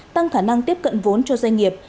tăng khả năng tiếp cận vốn cho doanh nghiệp